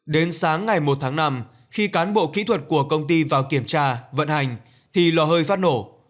đến sáng ngày một tháng năm khi cán bộ kỹ thuật của công ty vào kiểm tra vận hành thì lò hơi phát nổ